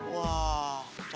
wah sayang banget ya